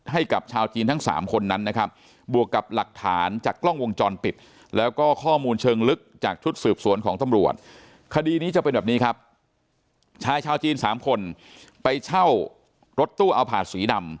ให้กับชาวจีนทั้งสามคนนั้นนะครับบวกกับหลักฐานจากกล้องวงจรปิด